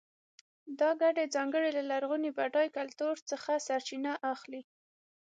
دا ګډې ځانګړنې له لرغوني بډای کلتور څخه سرچینه اخلي.